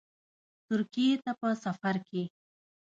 ترکیې ته په سفرکې